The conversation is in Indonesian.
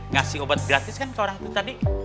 ngasih obat gratis kan ke orang itu tadi